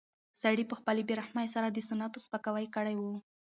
سړي په خپلې بې رحمۍ سره د سنتو سپکاوی کړی و.